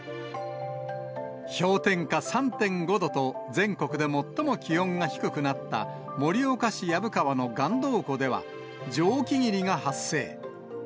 氷点下３．５度と、全国で最も気温が低くなった盛岡市薮川の岩洞湖では、蒸気霧が発生。